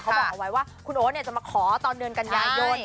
เค้าบอกเอาไว้ว่าคุณโอ๊ตเนี่ยจะมาขอตอนเดือนกัญญายน